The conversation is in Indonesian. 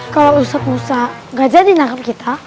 kalau ustaz musa gak jadi nangkep kita